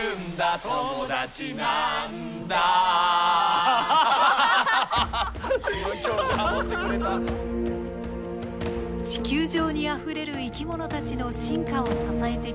地球上にあふれる生き物たちの進化を支えてきた微生物。